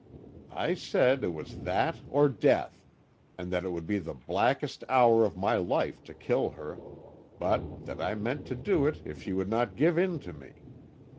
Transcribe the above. "I said it was that or death, and that it would be the blackest hour of my life to kill her, but that I meant to do it if she would not give in to me.